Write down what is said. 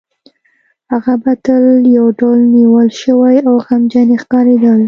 هغه به تل یو ډول نیول شوې او غمجنې ښکارېدله